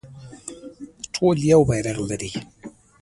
ټول یو بیرغ لري